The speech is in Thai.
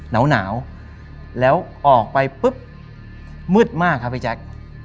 หนาวแล้วออกไปปุ๊บมืดมากครับพี่แจ๊ค